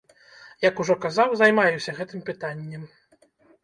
Як ужо казаў, займаюся гэтым пытаннем.